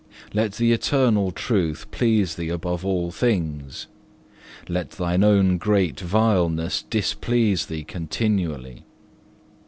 Let the eternal truth please thee above all things, let thine own great vileness displease thee continually.